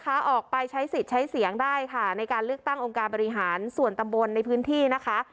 ออกไปใช้สิทธิ์ใช้เสียงได้ค่ะในการเลือกตั้งองค์การบริหารส่วนตำบลในพื้นที่นะคะ